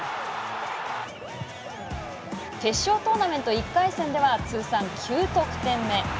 決勝トーナメント１回戦では通算９得点目。